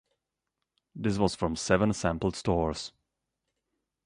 This was from seven sampled stores.